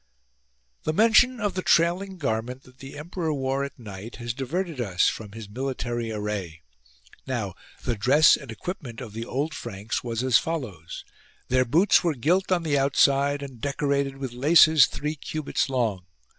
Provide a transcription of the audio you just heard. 34. The mention of the trailing garment that the emperor wore at night has diverted us from his military array. Now the dress and equipment of the old Franks was as follows :— Their boots were gilt on the outside and decorated with laces three cubits long.